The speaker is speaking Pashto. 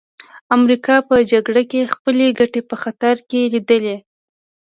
امریکا په جګړه کې خپلې ګټې په خطر کې لیدې